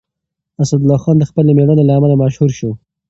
اسدالله خان د خپل مېړانې له امله مشهور شو.